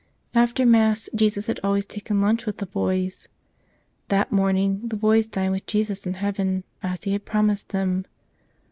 After Mass Jesus had al¬ ways taken lunch with the boys; that morning the boys dined with Jesus in heaven, as He had promised them.